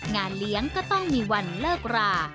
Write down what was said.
งานเลี้ยงก็ต้องมีวันเลิกรา